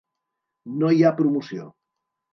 No hi ha promoció.